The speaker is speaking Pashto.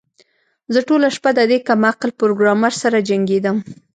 زه ټوله شپه د دې کم عقل پروګرامر سره جنګیدم